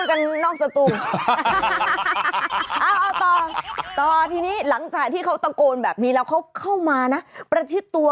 มันน่ากลัวไงฟังแล้วมันน่ากลัว